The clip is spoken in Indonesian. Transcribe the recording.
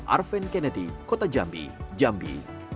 arven kennedy kota jambi jambi